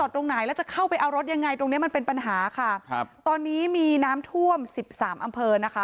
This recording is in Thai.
ตรงนี้มันเป็นปัญหาค่ะตอนนี้มีน้ำท่วม๑๓อำเภอ